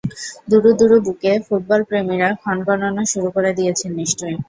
দুরু দুরু বুকে ফুটবলপ্রেমীরা ক্ষণগণনা শুরু করে দিয়েছেন নিশ্চয়ই।